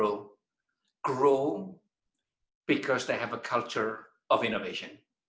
tumbuh karena mereka memiliki kultur inovasi